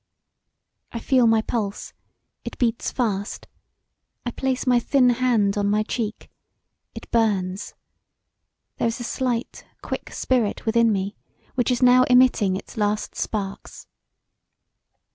I feel my pulse; it beats fast: I place my thin hand on my cheek; it burns: there is a slight, quick spirit within me which is now emitting its last sparks.